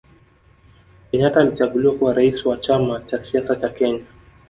Kenyata alichaguliwa kuwa rais wa chama cha siasa cha kenya